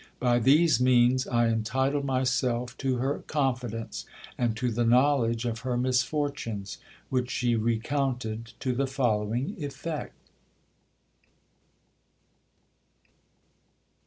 By these means I entitled myself to her confidence, and to the knowledge of her misfortunes, which she recounted to the following effect.